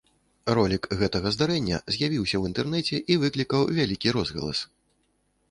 Ролік гэтага здарэння з'явіўся ў інтэрнэце і выклікаў вялікі розгалас.